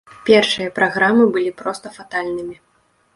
Першыя праграмы былі проста фатальнымі.